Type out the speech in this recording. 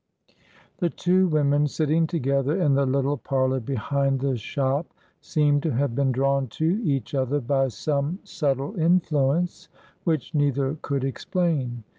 The two women, sitting together in the little parlour behind the shop, seemed to have been drawn to each other by some subtle influence which neither could explain.